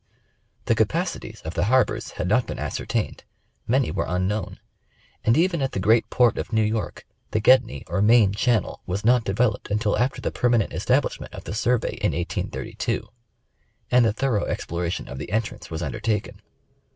The capacities of the harbors had not been ascertained, many were unknown ; and even at the great port of New York, the Oedney or Main channel, was not developed until after the per manent establishment of the Survey in 1832, and the thorough exploration of the entrance was undertaken.